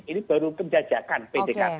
ini baru penjajakan pdkt